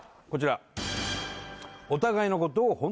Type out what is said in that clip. こちら「お互いのことを」